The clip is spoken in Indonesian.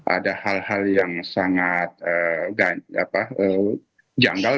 ada hal hal yang sangat janggal